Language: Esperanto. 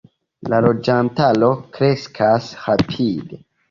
La loĝantaro kreskas rapide.